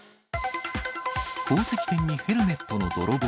宝石店にヘルメットの泥棒。